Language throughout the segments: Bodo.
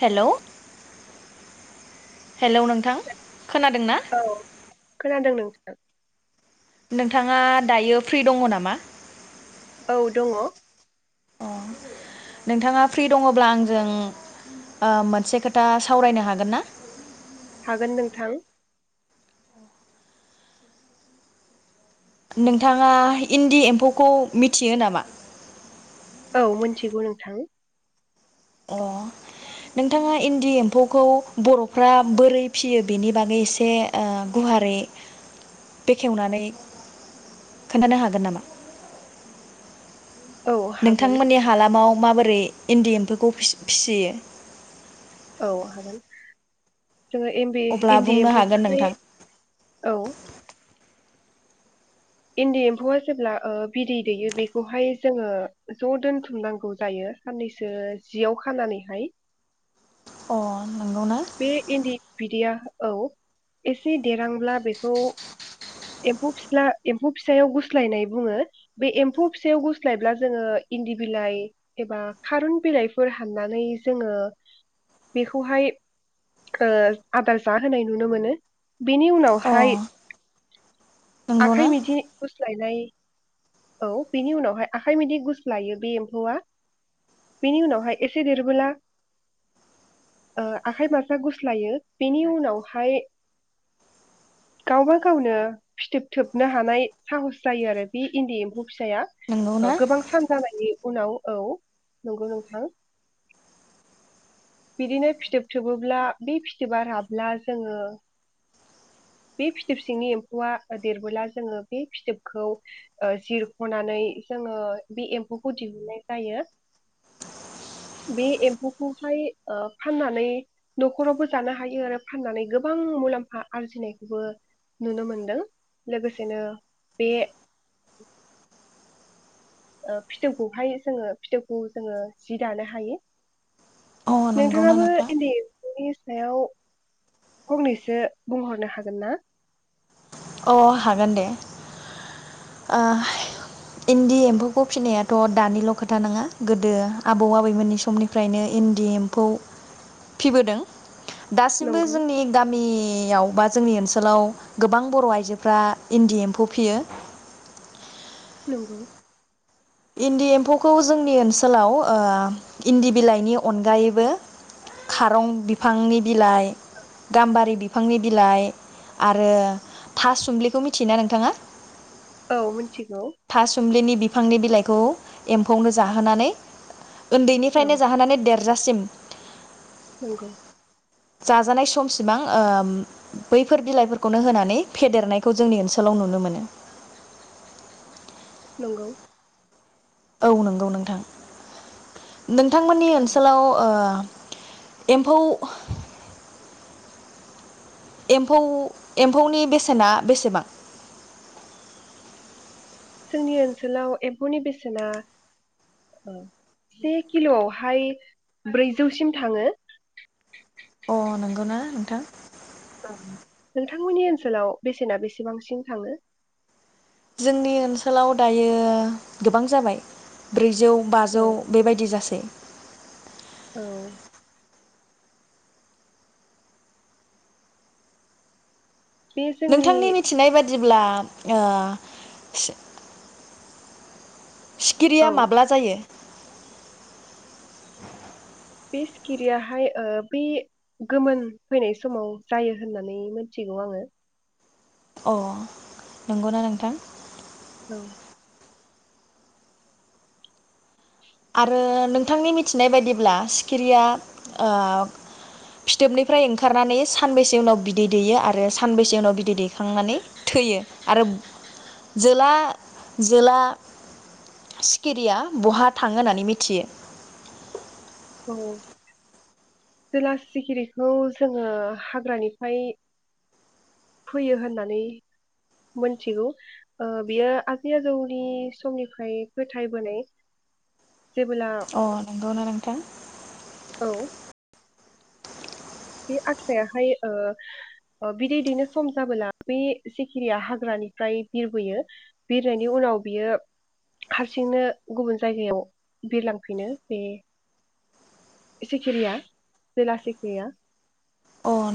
हेलौ हेलौ नोंथां। खोनादों ना औ खोनादों नोंथां। नोंथाङा दायो फ्रि दङ नामा? औ दङ। अ नोंथाङा फ्रि दङब्ला आंजों ओ मोनसे खोथा सावरायनो हागोन ना? हागोन नोंथां। नोंथाङा इन्दि एम्फौखौ मिथियो नामा? औ मिथिगौ नोंथां। अ नोंथाङा इन्दि एम्फौखौ बर'फ्रा बोरै फियो बेनि बागै एसे ओ गुवारै बेखेवनानै खोन्थानो हागोन नामा। औ हागोन नोंथांमोननि हालामाव माबोरै इन्दि एम्फौखौ फिस-फिसियो। औ हागोन। जोङो अब्ला एमबि-इन्दि बुंनो हागोन एम्फौखौहाय नोंथां औ। इन्दि एम्फौआ जेब्ला ओ बिदै दैैयो बेखौहाय जोङो ज' दोनथुमनांगौ जायो साननैसो जियाव खानानैहाय। अ। नंगौना बे इन्दि बिदैया औ एसे देरहांब्ला बेखौ एम्फौ फिस्ला एम्फौ फिसायाव गुस्लायनाय बुङो बे एम्फौ फिसायाव गुस्लायब्ला जोङो इन्दि बिलाइ एबा खारुन बिलाइफोर हाननानै जोङो बेखौहाय ओ आदार जाहोनाय नुनो मोनो बेनि अ उनावहाय नंगौना आखाइ बिदि गुस्लायनाय औ बेनि उनावहाय आखाइ बायदि गुस्लायो बे एम्फौआ बेनि उनावहाय एसे देरबोला ओ आखाइ [unintelligible] गुस्लायो बेनि उनावहाय गावबा गावनो फिथोब थोबनो हानाय साहस जायो आरो बे इन्दि एम्फौ फिसाया नंगौना अ गोबां सान जानायनि उनाव औ नंगौ नोंथां बिदिनो फिथोब थोबोब्ला बे फिथोबा राब्ला जोङो बे फिथोब सिंनि एम्फौआ देरबोला जोङो बे फिथोबखौ ओ जिरख'नानै जोङो बे एम्फौखौ दिहुननाय जायो बे एम्फौखौहाय ओ फाननानै न'खरावबो जानो हायो आरो फाननानै गोबां मुलाम्फा आरजिनायखौबो नुनो मोनदों लोगोसेनो बे ओ फिथोबखौहाय जोङो फिथोबखौ जोङो जि दानो हायो। नंगौना नोंथाङाबो नोंथां इन्दि एम्फौनि सायाव फंनैसो बुंहरनो हागोन ना। अ हागोन दे ओ इन्दि एम्फौखौ फिनायाथ' दानिल' खोथा नंङा गोदो आबौ आबैमोननि समनिफ्रायनो इन्दि एम्फौ फिबोदों। दासिमबो नंगौ जोंनि गामियाव बा जोंनि ओनसोलाव गोबां बर' आइजोफ्रा इन्दि एम्फौ फियो नंगौ। इन्दि एम्फौखौ जोंनि ओनसोलाव ओ इन्दि बिलाइनि अनगायैबो खारं बिफांनि बिलाइ गाम्बारि बिफांनि बिलाइ आरो थासुम्लिखौ मिथियोना नोंथाङा। औ मिथिगौ थासुमलिनि बिफांनि बिलाइ खौ एम्फौनो जाहोनानै औ उन्दैनिफ्रायनो जाहोनानै देर जासिम नंगौ। जाजानाय सम सेबां उम बैफोर बिलाइफोरखौनो होनानै फेदेरनायखौ जोंनि ओनसोलाव नुनो मोनो। नंगौ। औ नंगौ नोंथां। नोंथांमोननि औ ओनसोलाव ओ एम्फौ एम्फौ-एम्फौनि बेसेना बेसेबां। जोंनि ओनसोलाव एम्फौनि बेसेना औ से किल'आवहाय ब्रैजौसिम थाङो। अ नंगौ ना नोंथां। नों नोंथांमोननि ओनसोलाव बेसेना बेसेबांसिम थाङो जोंनि ओनसोलाव दायो गोबां जाबाय ब्रैजौ औ बाजौ बेबायदि जासिग दे औ बे जोंनि नोंथांनि मिथिनाय बायदि जेब्ला ओ औ सिखिरिया माब्ला जायो [inaudible] बे सिखिरियाहाय ओ बे गोमोन फैनाय समाव जायो होननानै मिनथिगौ आङो अ नंगौना नोंथां औ आरो नोंथांनि मिथिनाय बायदिब्ला सिखिरिया ओ फिथोबनिफ्राय ओंखारनानै सानबैसे उनाव बिदै दैयो आरो सानबैसे उनाव बिदै दैखांनानै थैयो आरो जोला जोला सिखिरिया बहा- थाङो होननानै मिथियो औ जोला सिखिरिखौ जोङो हाग्रानिफ्राय फैयो होननानै मोनथिगौ ओ बेयो आजै आजौनि समनिफ्राय फोथायबोनाय जेबोला अ नोंगौना नों औ बे आखसायाहाय ओ ओ बिदै बिदैनो सम जाबोला बे सिखिरिया हाग्रानिफ्राय बिरबोयो बिरनायनि उनाव बियो हारसिंनो गुबुन जायगायाव बिरलांफिनो बे सिखिरिया बेेला सिखिरिया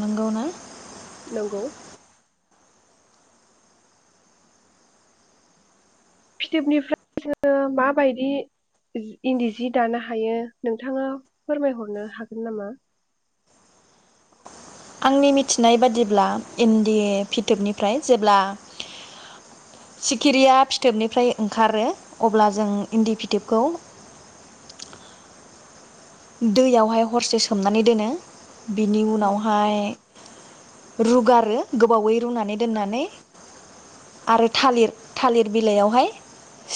नंगौ ना नंगौ फिथोबनिफ्राय जोङो माबायदि इन्दि सि दानो हायो नोंथाङा फोरमायहरनो हागोन नामा आंनि मिथिनाय बादिब्ला इन्दि फिथोबनिफ्राय जेब्ला सिखिरिया फिथोबनिफ्राय ओंखारो अब्ला जों इन्दि फिथोबखौ दैयावहाय हरसे सोमनानै दोनो बिनि औ उनावहाय रुगारो गोबावै रुनानै दोननानै आरो थालिर थालिर बिलाइयावहाय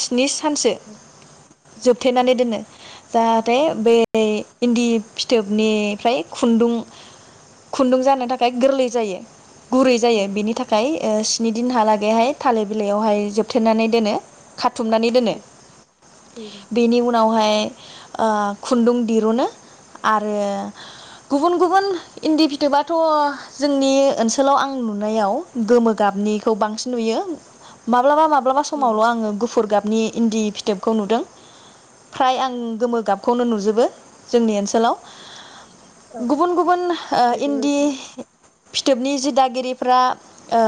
स्नि सानसे जोबथेनानै दोनो जाहाथे बे इन्दि फिथोबनिफ्राय खुन्दुं खुन्दुं जानो थाखाय गोरलै जायो गुरै औ जायो बेनि थाखाय ओ दिनहालागैहाय थालिर बिलाइयावहाय जोबथेनानै दोनो खाथुमनानै दोनो औ बेनि उनावहाय आ खुन्दुं दिरुनो आरो गुबुन गुबुन इन्दि फिथोबाथ' जोंनि ओनसोलाव आं नुनायाव गोमो गाबनिखौ बांसिन नुयो माब्लाबा माब्ला माब्लाबा औ समावल' आङो गुफुर गाबनि इन्दि फिथोबखौ नुदों फ्राय आं गोमो गाब खौनो नुजोबो जोंनि ओनसोलाव औ गुबुन गुबुन नंगौ इन्दि फिथोबनि जि दा गिरिफ्रा ओ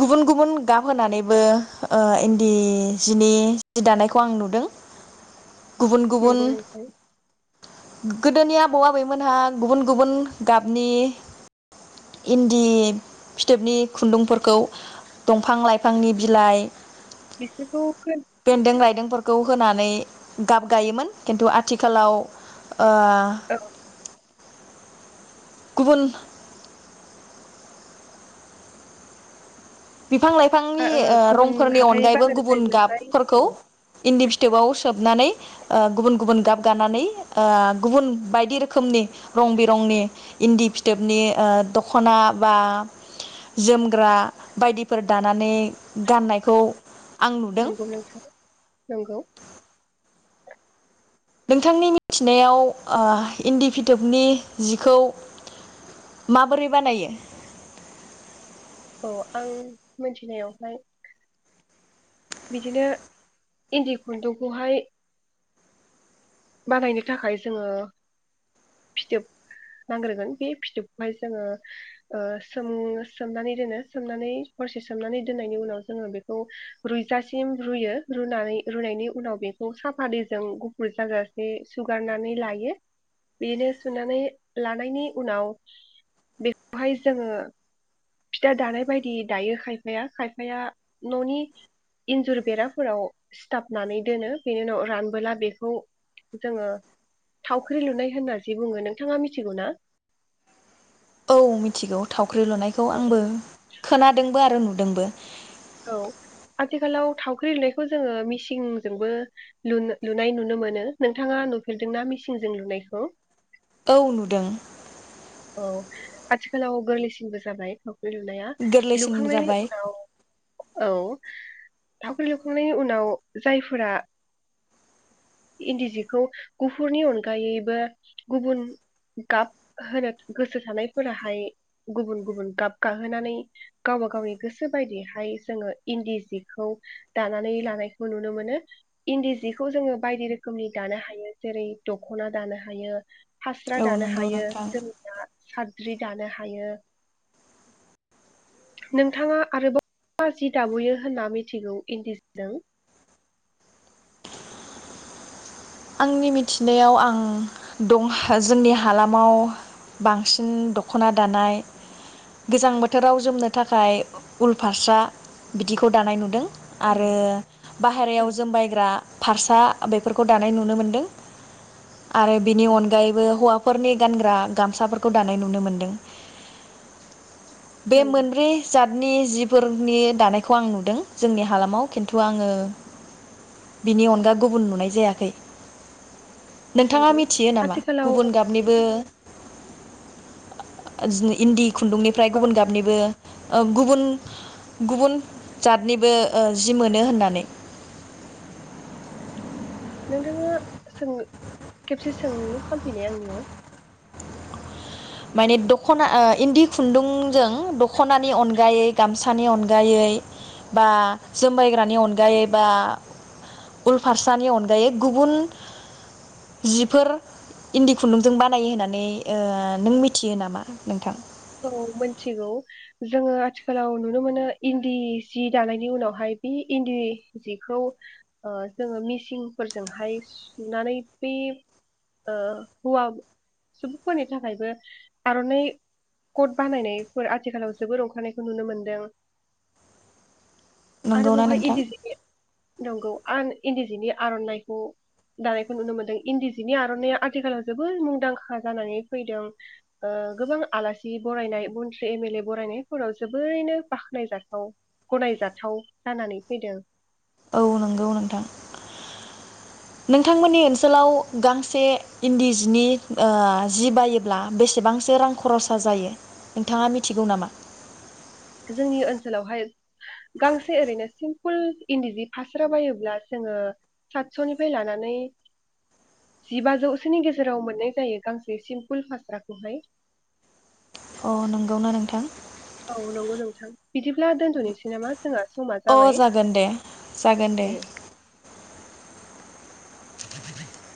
गुबुन गुबुन गाब होनानैबो ओ इन्दि सिनि जि दानायखौ आं नुदों गुबुन गुबुन नंगौ नोंथां गोदोनिया आबौ आबैमोनहा गुबुन गुबुन गाबनि इन्दि फिथोबनि खुन्दुंफोरखौ दंफां लाइफांनि बिलाइ बिसोरखौ खोन खौ होनानै गाब गायोमोन खिन्थु आथिखालाव ओ गुबुन बिफां लाइफांनि ओ गुबुन रंफोरनि हाथाय अनगायैबो बाजारनिफ्राय गुबुन मोननाय गाबफोरखौ औ इन्दि फिथोबाव सोबनानै ओ गुबुन गुबुन गाब गानानै ओ गुबुन बायदि रोखोमनि रं बिरंनि इन्दि फिथोबनि ओ दख'ना बा जोमग्रा बायदिफोर दानानै गाननायखौ आं नुदों नंगौ नोंथां नंगौ नोंथांनि मिथिनायाव ओ इन्दि फिथोबनि जिखौ माबोरै बानायो औ आं मिथिनायावहाय बिदिनो इन्दि खुन्दुंखौहाय बानायनो थाखाय जोङो फिथोब नांग्रोगोन बे फिथोबखौहाय जोङो ओ सोम सोमनानै दोनो सोमनानै हरसे सोमनानै दोननायनि उनाव जोङो बेखौ रुइजासिम रुयो रुनानै रुनायनि उनाव बेखौ साफा दैजों गुफुर जाजा बे सुगारनानै लायो बेनो सुनानै लानायनि उनाव बेखौहाय जोङो फिथा दानाय बायदि दायो खायफाया खायफाया न'नि इन्जुर बेराफोराव सिथाबनानै दोनो बेनि उनाव रानबोला बेखौ जोङो थावख्रि लुनाय होनना जि बुङो नोंथाङा मिथिगौ ना औ मिथिगौ थाव ख्रि लुनायखौ आंबो खोनादोंबो आरो नु दोंबो औ आथिखालाव थावख्रि लुनायखौ जोङो मिसिंजोंबो लुनाय नुनो मोनो नोंथाङा नुफेरदोंना मिसिंजों लुनायखौ औ नुदों औ आथिखालाव गोरलैसिनबो जाबाय लुनाया गोरलैसिन लुखांनायनि जाबाय उनाव औ थावखौ एवखांनायनि उनाव जायफोरा इन्दि जिखौ गुफुरनि अनगायैबो, गुबुन गाब होनो गोसो थानायफोराहाय गुबुन गुबुन गाब गाहोनानै गावबा गावनि गोसो बायदियैहाय, जोङो इन्दि जिखौ दानानै लानायखौ नुनो मोनो। इन्दि जिखौ जोङो। बायदि रोखोमनि दानो हायो, जेरै दख'ना दानो हायो, फास्रा औ दानो नंगौ हायो, नोंथां जोमग्रा साद्रि दानो हायो, नोंथाङा आरोबाव जि दाबोवयो होनना मिथिगौ इन्दिजिजों। आंनि मिथिनायाव आं, दं जोंनि हालामाव बांसिन दख'ना दानाय, गोजां बोथोराव जोमनो थाखाय उल फारसा, बिदिखौ दानाय नुदों। औ आरो औ बाहेरायाव जोमबायग्रा फारसा। बेफोरखौ दा नाय नुनो मोनदों। आरो बिनि औ अनगायैबो हौवाफोरनि गानग्रा गामसाफोरखौ दानाय नुनो मोनदों। बे नंगौ मोनब्रै जाद नि जिफोरनि दानायखौ आं नुदों जोंनि हालामाव खिन्थु आङो बिनि अनगा गुबुन नुनाय जायाखै। नोंथाङा नंगौ मिथियो नामा आथिखालाव गुबुन गाबनिबो इन्दि खुन्दुंनि। ओमफ्राय औ गुबुन गाबनिबो ओम गुबुन गुबुन जातनिबो ओ जि मोनो होननानै। नोंथाङा सों खेबसे सोंलु खालामफिनाय आंनियाव। माने दख'ना ओ इन्दि खुन्दुंजों दख'नानि अनगायै गामसानि अनगायै बा जोमबायग्रानि अनगायै बा उल फारसानि अनगायै गुबुन जिफोर इन्दि खुन्दुंजों बानायो होननानै। ओ नों मिथियो नामा नोंथां? औ मोनथिगौ, जोङो आथिखालाव नुनो मोनो इन्दि जि दानायनि उनावहाय बे इन्दि जिखौ ओ जोङो मिसिंफोरजोंहाय सुनानै बे ओ हौवा सुबुंफोरनि थाखायबो आर'नाइ कट बानायनायफोर आथिखालाव जोबोर अंखारनायखौ नुनो मोनदों। आरो नंगौना बौहाय नोंथां इन्दि जिनि नंगौ। आन इन्दि जिनि आर'नाइखौ दानायखौ नुनो मोनदों, इन्दि जिनि आर'नाइया आथिखालाव जोबोद मुंदांखा जानानै फैदों ओ गोबां आला- सि बरायनाय मन्त्रि एम एल ए बरायनायफोराव जोबोरैनो बाख्नायजाथाव गनायजाथाव जानानै फैदों। औ नंगौ नोंथां नोंथांमोननि ओनसोलाव गांसे इन्दि जिनि ओ जि बायोब्ला बेसेबांसो रां खर'सा जायो नोंथाङा मिथिगौ नामा? जोंनि ओनसोलावहाय गांसे ओरैनो सिम्पोल इन्दि जि फास्रा बायोब्ला, जोङो सातस'निफ्राय लानानै जिबाजौसोनि गेजेराव मोननाय जायो गांसे सिम्पोल फास्राखौहाय। अ नंगौना नोंथां? औ नंगौ नोंथां। बिदिब्ला दोनथ'नोसै नामा? जोंहा समा अ जाबाय जागोन दे दे [inaudible]